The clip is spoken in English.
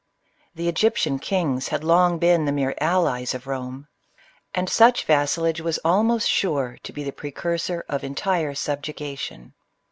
The Egyptian kings had long been the mere allies of 12 CLEOPATRA. Rome ; and such vassalage was almost sure to be the precursor of entire subjugation.